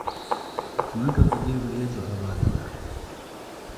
ځمکه په دې وريځو اباده ده